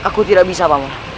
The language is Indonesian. aku tidak bisa pak man